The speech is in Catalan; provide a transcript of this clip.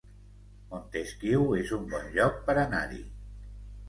Montesquiu es un bon lloc per anar-hi